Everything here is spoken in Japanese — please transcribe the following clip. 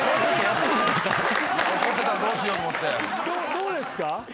どうですか？